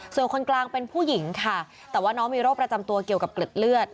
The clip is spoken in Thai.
ส่วนคนกลางเป็นผู้หญิงค่ะแต่ว่าน้องมีโรคประจำตัวเกี่ยวกับเกล็ดเลือด